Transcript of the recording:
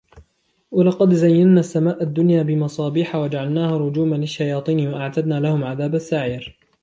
وَلَقَدْ زَيَّنَّا السَّمَاءَ الدُّنْيَا بِمَصَابِيحَ وَجَعَلْنَاهَا رُجُومًا لِلشَّيَاطِينِ وَأَعْتَدْنَا لَهُمْ عَذَابَ السَّعِيرِ